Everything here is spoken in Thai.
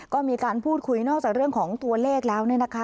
ก็มีการพูดคุยนอกจากเรื่องของตัวเลขแล้วเนี่ยนะคะ